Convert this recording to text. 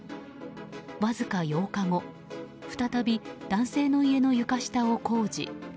わずか８日後再び男性の家の床下を工事。